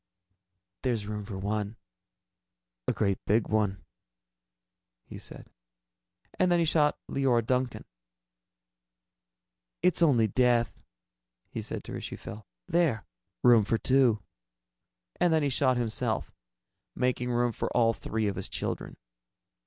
"There's room for one a great big one," he said. And then he shot Leora Duncan. "It's only death," he said to her as she fell. "There! Room for two." And then he shot himself, making room for all three of his children.